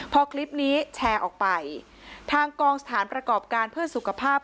พอคลิปนี้แชร์ออกไปทางกองสถานประกอบการเพื่อสุขภาพ